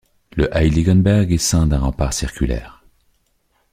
Le Heiligenberg est ceint d'un rempart circulaire.